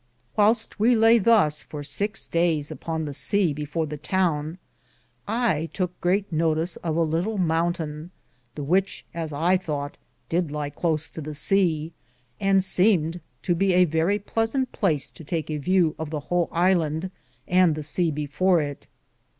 Whyleste we laye thus for sixe dayes upon the seae before the towne, I touke greate notis of a little moun tayne, the which, as I thought, did ly close to the seae, and semed to be a verrie pleasante place to take a vew of the whole iland and the seae before it.